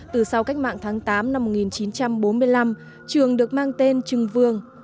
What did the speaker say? từ sau cách mạng tháng tám năm một nghìn chín trăm bốn mươi năm trường được mang tên trưng vương